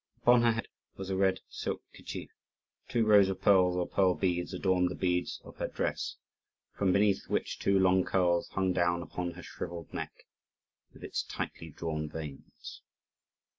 Upon her head was a red silk kerchief; two rows of pearls or pearl beads adorned the beads of her head dress, from beneath which two long curls hung down upon her shrivelled neck, with its tightly drawn veins.